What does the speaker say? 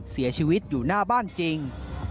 เสียชีวิตอยู่หน้าบ้านจริง